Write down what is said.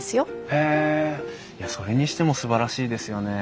へえいやそれにしてもすばらしいですよね。